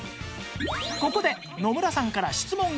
ここで野村さんから質問が！